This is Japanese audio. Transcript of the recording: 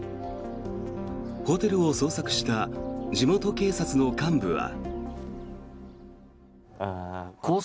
ホテルを捜索した地元警察の幹部は。